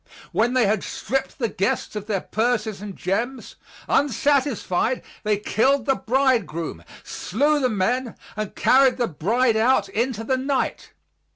When they had stripped the guests of their purses and gems, unsatisfied, they killed the bridegroom, slew the men, and carried the bride out into the night.